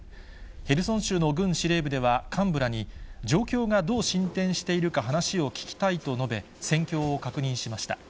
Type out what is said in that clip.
ヘルソン州の軍司令部では、幹部らに、状況がどう進展しているか話を聞きたいと述べ、戦況を確認しました。